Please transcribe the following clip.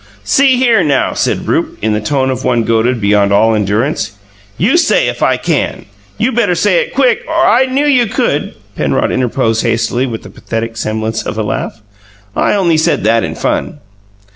"See here now," said Rupe, in the tone of one goaded beyond all endurance, "YOU say if I can! You better say it quick, or " "I knew you could," Penrod interposed hastily, with the pathetic semblance of a laugh. "I only said that in fun."